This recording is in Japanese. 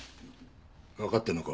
わかってるのか？